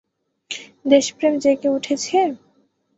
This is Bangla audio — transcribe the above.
দেশপ্রেম জেগে উঠেছে?